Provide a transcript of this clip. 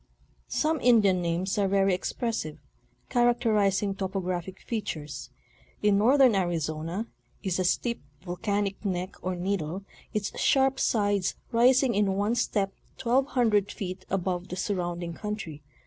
Some Indian names are very expressive, characterizing topo graphic features. In northern Arizona is a steep volcanic neck or needle, its sharp sides rising in one step twelve hundred feet above the surrounding country.